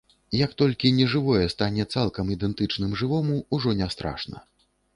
Як толькі нежывое стане цалкам ідэнтычным жывому, ужо не страшна.